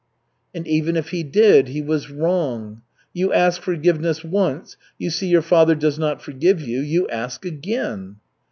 "And even if he did, he was wrong. You ask forgiveness once, you see your father does not forgive you, you ask again!"